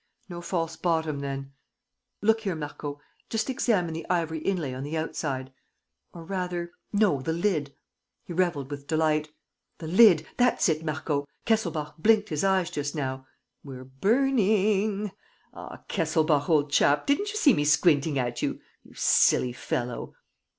No false bottom, then? ... Look here, Marco: just examine the ivory inlay on the outside ... or, rather, no, the lid." He reveled with delight. "The lid! That's it, Marco! Kesselbach blinked his eyes just now. ... We're burning! ... Ah, Kesselbach, old chap, didn't you see me squinting at you? You silly fellow!"